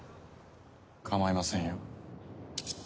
かまいませんよ。